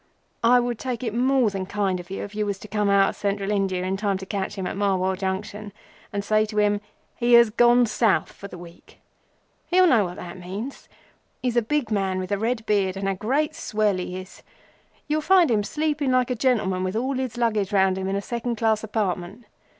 I would take it more than kind of you if you was to come out of Central India in time to catch him at Marwar Junction, and say to him:—'He has gone South for the week.' He'll know what that means. He's a big man with a red beard, and a great swell he is. You'll find him sleeping like a gentleman with all his luggage round him in a second class compartment.